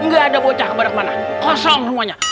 gak ada bocah ke badak mana kosong semuanya